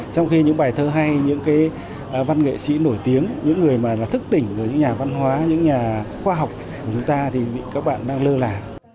trong khi những bài thơ hay những cái văn nghệ sĩ nổi tiếng những người mà thức tỉnh rồi những nhà văn hóa những nhà khoa học của chúng ta thì các bạn đang lơ là